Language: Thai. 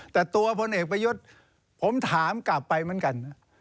แต่ตัวพลเอกประยุทธ์ผมถามกลับไปเหมือนกัน